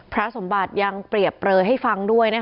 พระสมบัติยังเปรียบเปลยให้ฟังด้วยนะคะ